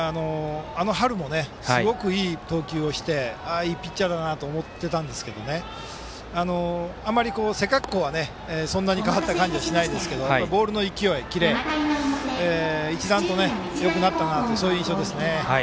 あの春もすごくいい投球をしていいピッチャーだなと思ってたんですけどあまり背格好は、そんなに変わった感じはしないですけどボールの勢いキレ、一段とよくなったなというそういう印象ですね。